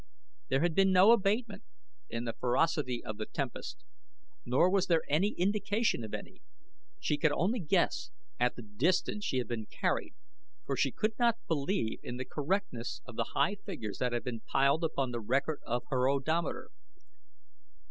There had been no abatement in the ferocity of the tempest, nor was there indication of any. She could only guess at the distance she had been carried for she could not believe in the correctness of the high figures that had been piled upon the record of her odometer.